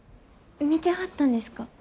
見てはったんですか？